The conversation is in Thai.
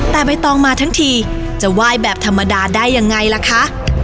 แต่ใบตองมาทั้งทีจะไหว้แบบธรรมดาได้ยังไงล่ะคะ